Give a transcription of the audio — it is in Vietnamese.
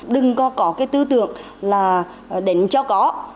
đừng có có cái tư tưởng là đánh cho có